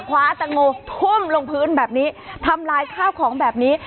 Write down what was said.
คว้าแตงโมทุ่มลงพื้นแบบนี้ทำลายข้าวของแบบนี้